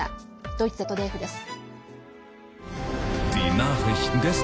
ドイツＺＤＦです。